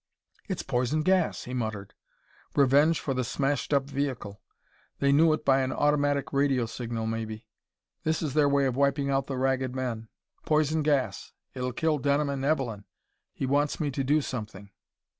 "It's poison gas," he muttered. "Revenge for the smashed up vehicle.... They knew it by an automatic radio signal, maybe. This is their way of wiping out the Ragged Men.... Poison gas.... It'll kill Denham and Evelyn.... He wants me to do something...."